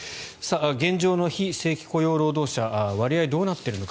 現状の非正規雇用労働者割合はどうなっているのか。